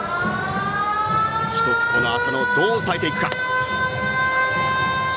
１つ、この浅野をどう抑えていくか。